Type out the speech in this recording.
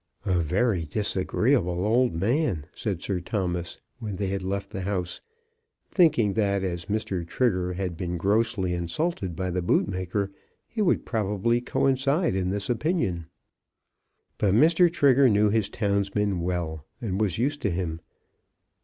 "A very disagreeable old man," said Sir Thomas, when they had left the house, thinking that as Mr. Trigger had been grossly insulted by the bootmaker he would probably coincide in this opinion. But Mr. Trigger knew his townsman well, and was used to him.